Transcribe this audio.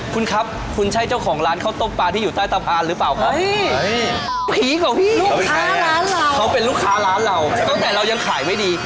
คุณครับคุณใช่เจ้าของร้านเข้าต้มปลา